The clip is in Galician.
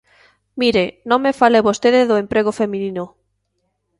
Mire, non me fala vostede do emprego feminino.